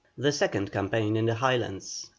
THE SECOND CAMPAIGN IN THE HIGHLANDS. 1821.